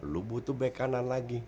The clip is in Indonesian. lu butuh back kanan lagi